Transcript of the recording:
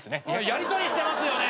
やりとりしてますよね？